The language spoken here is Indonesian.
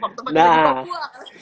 waktu pagi di papua